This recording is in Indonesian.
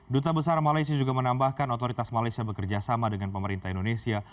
duta besar malaysia juga menambahkan otoritas malaysia bekerja sama dengan pemerintah indonesia